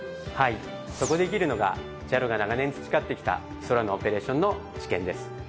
そこで生きるのがＪＡＬが長年培ってきた空のオペレーションの知見です。